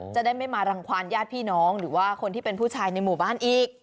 จะได้ไม่มารังความญาติพี่น้องหรือว่าคนที่เป็นผู้ชายในหมู่บ้านอีก